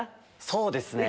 そうですね！